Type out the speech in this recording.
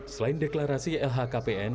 selain deklarasi lhkpn